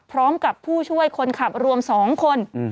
พร้อมกับผู้ช่วยคนขับรวม๒คน